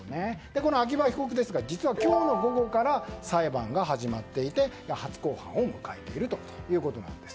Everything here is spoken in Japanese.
この秋葉被告は今日の午後から裁判が始まっていて初公判を迎えているということなんです。